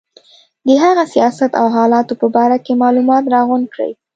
د هغه د سیاست او حالاتو په باره کې معلومات راغونډ کړي.